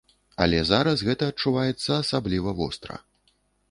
Але зараз гэта адчуваецца асабліва востра.